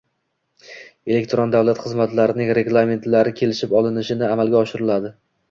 elektron davlat xizmatlarining reglamentlari kelishib olinishini amalga oshiradi;